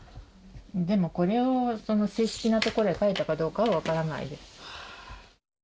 でもこれを正式なところへ書いたかどうかは分からないです。